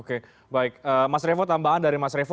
oke baik mas revo tambahan dari mas revo